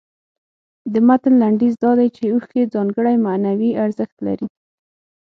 د متن لنډیز دا دی چې اوښکې ځانګړی معنوي ارزښت لري.